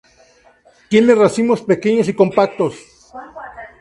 Tiene racimos pequeños y compactos.